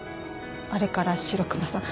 あれから白熊さん